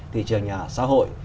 thị trường nhà ở xã hội